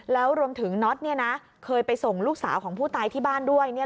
แล้วรวมถึงน็อตเคยไปส่งลูกสาวของผู้ตายที่บ้านด้วย